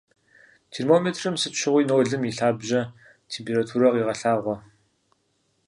Термометрым сыт щыгъуи нолым и лъабжьэ температурэ къегъэлъагъуэ.